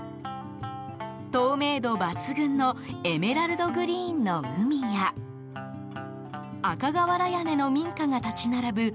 透明度抜群のエメラルドグリーンの海や赤瓦屋根の民家が立ち並ぶ